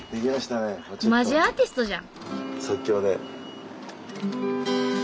マジアーティストじゃ！